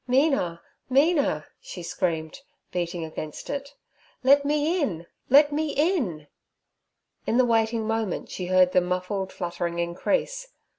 'Mina, Mina!' she screamed, beating against it, 'let me in, let me in!' In the waiting moment she heard the muffled fluttering increase.